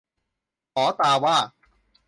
ออตาว่า